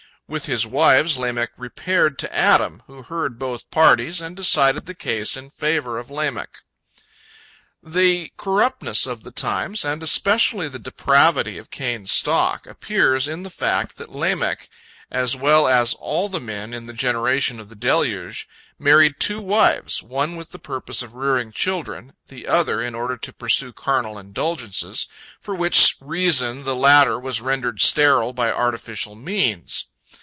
With his wives, Lamech repaired to Adam, who heard both parties, and decided the case in favor of Lamech. The corruptness of the times, and especially the depravity of Cain's stock, appears in the fact that Lamech, as well as all the men in the generation of the deluge, married two wives, one with the purpose of rearing children, the other in order to pursue carnal indulgences, for which reason the latter was rendered sterile by artificial means.